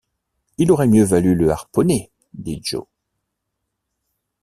Il aurait mieux valu le harponner, dit Joe.